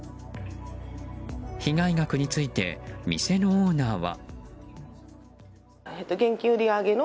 被害額について店のオーナーは。